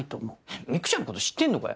ミクちゃんのこと知ってんのかよ？